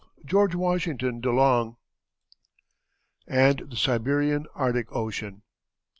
GEORGE WASHINGTON DE LONG, AND THE SIBERIAN ARCTIC OCEAN.